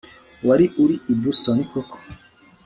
Wari uri i Boston koko